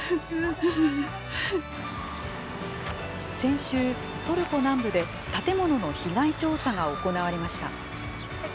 先週、トルコ南部で建物の被害調査が行われました。